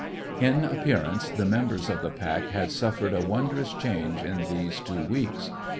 In appearance, the members of the pack had suffered a wondrous change in these two weeks.